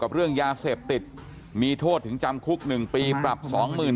กับเรื่องยาเศษติติมีโทธถึงจำคุกหนึ่งปีปรับสองหมื่น